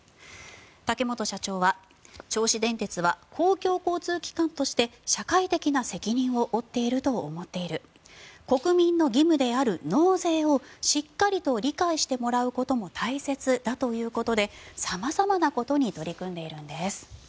竹本社長は銚子電鉄は公共交通機関として社会的な責任を負っていると思っている国民の義務である納税をしっかりと理解してもらうことも大切だということで様々なことに取り組んでいるんです。